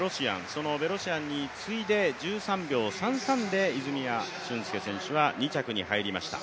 そのベロシアンに次いで、１３秒３３で泉谷駿介選手は２着に入りました。